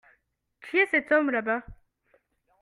Qui est cet homme, là-bas ?